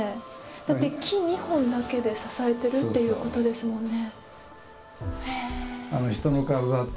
だって木２本だけで支えてるっていうことですもんね。